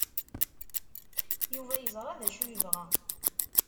Yuba yeẓra d acu yebɣa.